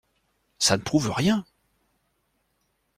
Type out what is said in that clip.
Ça ne prouve rien…